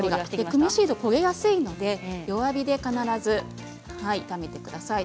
クミンシードは焦げやすいので弱火で必ず炒めてください。